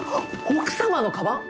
奥様のかばん？